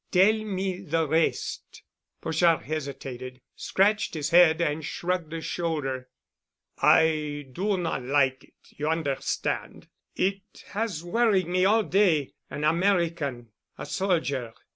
Tell me the rest." Pochard hesitated, scratched his head and shrugged a. shoulder. "I do not like it, you understand. It has worried me all day—an American—a soldier.